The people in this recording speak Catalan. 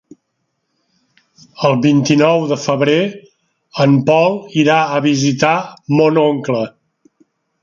El vint-i-nou de febrer en Pol irà a visitar mon oncle.